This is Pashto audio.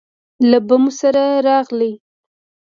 له بمو سره راغلې